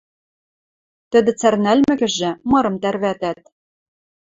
Тӹдӹ цӓрнӓлмӹкӹжӹ, мырым тӓрвӓтӓт.